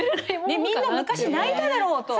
ねっみんな昔泣いただろうと。